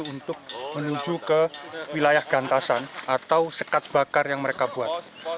untuk menuju ke wilayah gantasan atau sekat bakar yang mereka buat